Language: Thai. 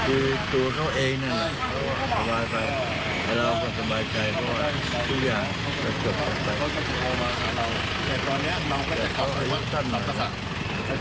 พูดอะไรกับเรา